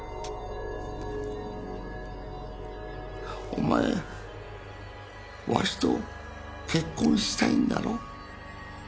お前わしと結婚したいんだろ？